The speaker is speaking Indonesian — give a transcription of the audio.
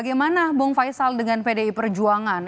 gimana bong faisal dengan pdi perjuangan